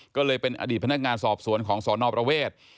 ก็เลยเป็นอดีตพนักงานสอบสวนของสนประเวท